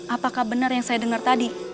apakah benar yang saya dengar tadi